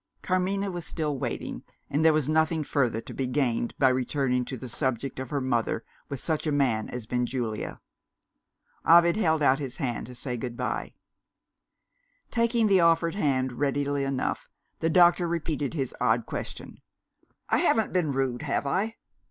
Carmina was still waiting and there was nothing further to be gained by returning to the subject of her mother with such a man as Benjulia. Ovid held out his hand to say good bye. Taking the offered hand readily enough, the doctor repeated his odd question "I haven't been rude, have I?"